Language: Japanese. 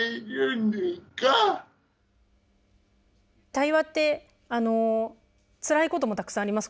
対話ってつらいこともたくさんあります